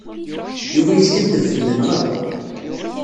Yuba yeskaddeb fell-aneɣ akk.